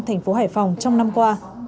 thành phố hải phòng trong năm qua